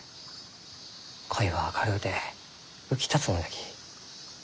恋は明るうて浮き立つもんじゃき。